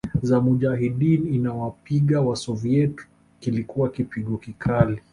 za Mujahideen inawapiga Wasoviet Kilikuwa kipigo kikali